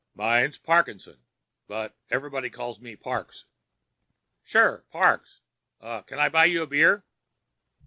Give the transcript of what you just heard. "Mine's Parkinson, but everybody calls me Parks." "Sure, Parks. Uh—can I buy you a beer?"